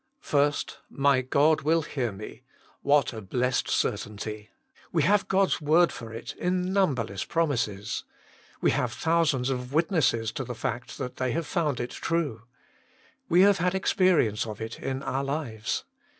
1. "My God will hear me." What a Uessed cer tainty I We have God s word for it in numberless promises. We have thousands of witnesses to the fact that they have found it true. We have had experience of it in our lives.